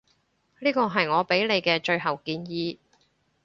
呢個係我畀你嘅最後建議